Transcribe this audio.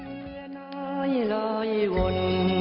มีน้อยเลือดน้อยลอยวน